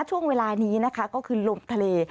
ช่วงเวลานี้นะคะก็คือลมทะเล